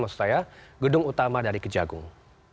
maksud saya gedung utama dari kejagung